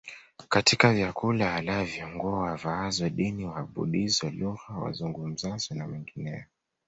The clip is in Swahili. katika vyakula walavyo nguo wavaazo dini waabudizo lugha wazungumzazo na mengineyo